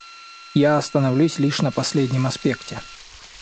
Я остановлюсь лишь на последнем аспекте.